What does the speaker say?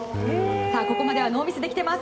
ここまではノーミスで来てます。